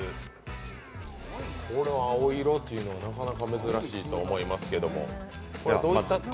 青色というのはなかなか珍しいと思いますけれども、。